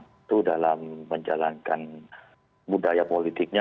itu dalam menjalankan budaya politiknya